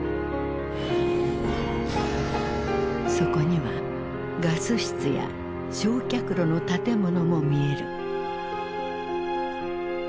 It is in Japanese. そこにはガス室や焼却炉の建物も見える。